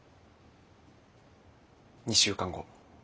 ２週間後